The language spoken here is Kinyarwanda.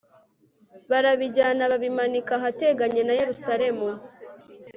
barabijyana babimanika ahateganye na yeruzalemu